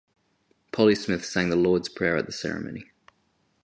Polly Smith sang the Lord's Prayer at the ceremony.